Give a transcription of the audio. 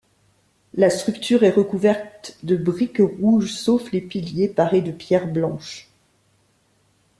La structure est recouverte de briques rouges, sauf les piliers, parés de pierre blanche.